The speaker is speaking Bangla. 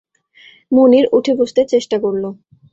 মুনির উঠে বসতে চেষ্টা করল।